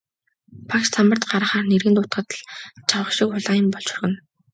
Багш самбарт гаргахаар нэрийг нь дуудахад л чавга шиг улаан юм болж орхино.